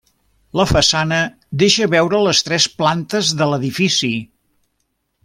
La façana deixa veure les tres plantes de l'edifici.